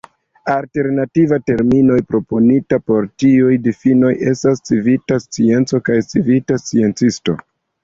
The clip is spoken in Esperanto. Alternativaj terminoj proponitaj por tiuj difinoj estas "civita scienco" kaj "civita sciencisto.